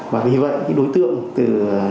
và vì vậy đối tượng từ